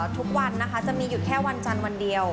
ทุกวันนะคะจะมีอยู่แค่วันจันทร์วันเดียว